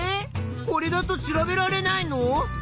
これだと調べられないの？